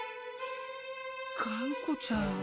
がんこちゃん。